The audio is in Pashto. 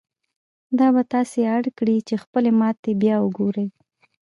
دا به تاسې اړ کړي چې خپلې ماتې بيا وګورئ.